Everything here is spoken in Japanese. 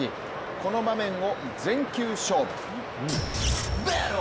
この場面を全球勝負。